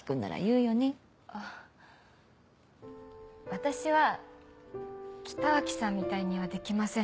私は北脇さんみたいにはできません。